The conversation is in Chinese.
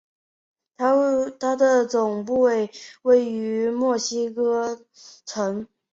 它的总部位于墨西哥城。